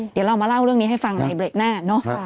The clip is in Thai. เดี๋ยวเรามาเล่าเรื่องนี้ให้ฟังในเบรกหน้าเนอะ